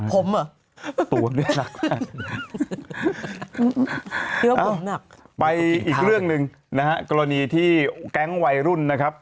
ผมเหรอตัวเลือกผมหนักไปอีกเรื่องหนึ่งนะฮะกรณีที่แก๊งวัยรุ่นนะครับ